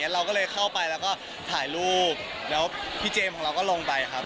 เราก็เลยเข้าไปแล้วก็ถ่ายรูปแล้วพี่เจมส์ของเราก็ลงไปครับ